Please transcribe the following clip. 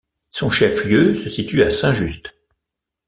Son chef-lieu se situe à Saint-Just.